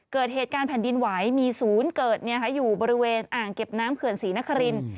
เกิดเหตุการณ์แผ่นดินไหวมีศูนย์เกิดอยู่บริเวณอ่างเก็บน้ำเขื่อนศรีนคริน